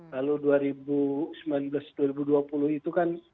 lalu dua ribu sembilan belas dua ribu dua puluh itu kan